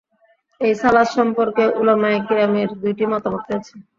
এই সালাত সম্পর্কে উলামায়ে কিরামের দুইটি মতামত রয়েছে।